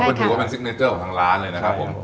ก็ถือว่าเป็นซิกเนเจอร์ของทางร้านเลยนะครับผม